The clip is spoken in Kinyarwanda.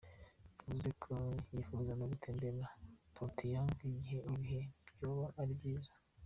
Yavuze ko yipfuza no gutemberera Pyongyang igihe ibihe vyoba ari vyiza.